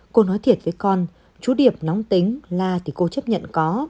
cô nói thiệt với con chú điểm nóng tính la thì cô chấp nhận có